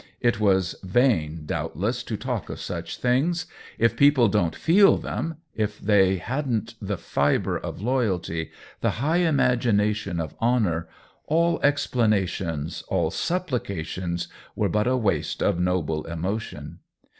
It was vain, doubtless, to talk of such things ; if people didn't feel them, if they hadn't the COLLABORATION 139 fibre of loyalty, the high imagination of honor, all explanations, all supplications were but a waste of noble emotion.